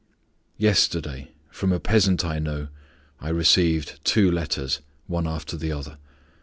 Yesterday, from a peasant I know, I received two letters, one after the other.